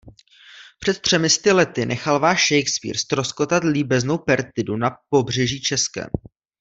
Před třemi sty lety nechal váš Shakespeare ztroskotat líbeznou Perditu na pobřeží českém.